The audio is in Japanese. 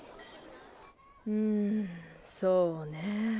うんそおね。